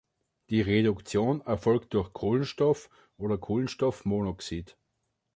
Die Reduktion erfolgt durch Kohlenstoff oder Kohlenstoffmonoxid.